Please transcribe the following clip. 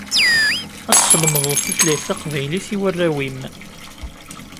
Ad teslemdeḍ tutlayt taqbaylit i warraw-im.